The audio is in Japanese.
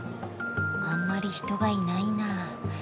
あんまり人がいないな。